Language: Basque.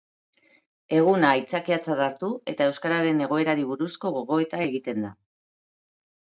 Eguna aitzakiatzat hartu, eta euskararen egoerari buruzko gogoeta egiten da.